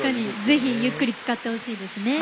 ぜひ、ゆっくりつかってほしいですね。